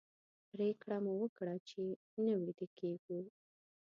پرېکړه مو وکړه چې نه ویده کېږو.